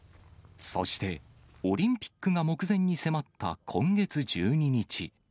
そして、オリンピックが目前に迫った今月１２日。